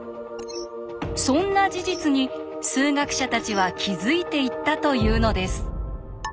そんな事実に数学者たちは気付いていったというのです。